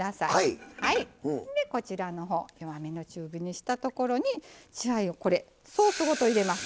でこちらのほう弱めの中火にしたところに血合いをこれソースごと入れます。